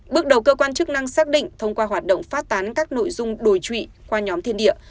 bước đầu cơ quan chức năng xác định thông qua hoạt động phát tán các nội dung đổi trụy qua nhóm thiên địa